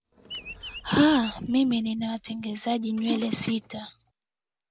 aah mimi nina watengenezaji nywele sita